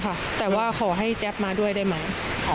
โอเคค่ะแต่ว่าขอให้แจ๊บมาด้วยได้ไหม